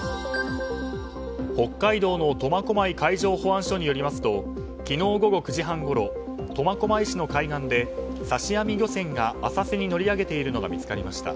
北海道の苫小牧海上保安署によりますと昨日午後９時半ごろ苫小牧市の海岸で刺し網漁船が浅瀬に乗り上げているのが見つかりました。